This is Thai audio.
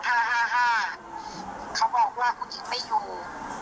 เขาบอกว่าผู้หญิงไม่อยู่